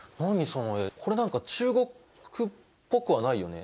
その絵これ何か中国っぽくはないよね。